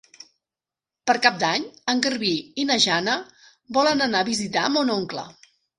Per Cap d'Any en Garbí i na Jana volen anar a visitar mon oncle.